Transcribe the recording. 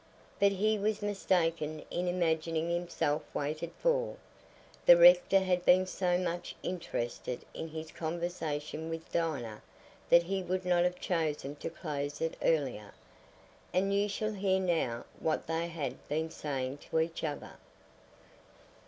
But he was mistaken in imagining himself waited for. The rector had been so much interested in his conversation with Dinah that he would not have chosen to close it earlier; and you shall hear now what they had been saying to each other.